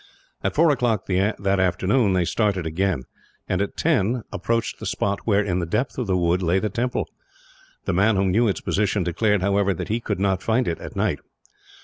At four o'clock they started again and, at ten, approached the spot where, in the depth of the wood, lay the temple. The man who knew its position declared, however, that he could not find it, at night.